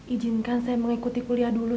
ijinkan saya mengikuti kuliah dulu